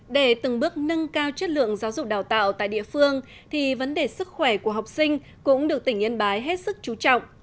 để từng bước nâng cao chất lượng giáo dục đào tạo tại địa phương thì vấn đề sức khỏe của học sinh cũng được tỉnh yên bái hết sức chú trọng